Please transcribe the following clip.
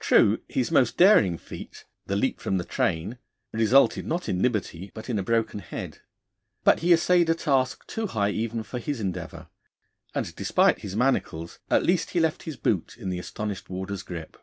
True, his most daring feat the leap from the train resulted not in liberty, but in a broken head. But he essayed a task too high even for his endeavour, and, despite his manacles, at least he left his boot in the astonished warder's grip.